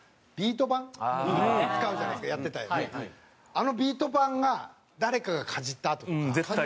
あのビート板が誰かがかじった跡とか。